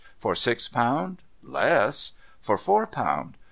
For six pound? Less. For four pound.